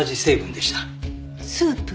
スープ？